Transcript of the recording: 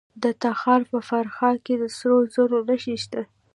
د تخار په فرخار کې د سرو زرو نښې شته.